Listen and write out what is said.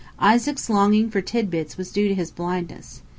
" Isaac's longing for tidbits was due to his blindness.